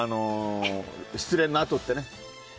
失恋のあとってね。